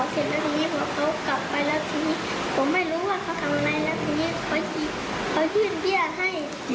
กี่บาทหนู